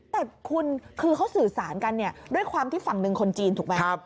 แต่คุณคือเขาสื่อสารกันเนี่ยด้วยความที่ฝั่งหนึ่งคนจีนถูกไหม